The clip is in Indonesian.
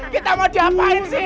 kita mau diapain sini